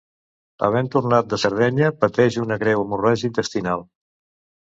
Havent tornat de Sardenya pateix una greu hemorràgia intestinal.